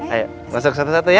ayo masuk satu satu ya